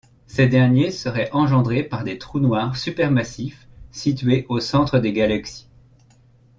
Ces derniers seraient engendrés par des trous noirs supermassifs situés au centre des galaxies.